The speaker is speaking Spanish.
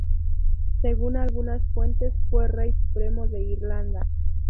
Según algunas fuentes, fue rey supremo de Irlanda.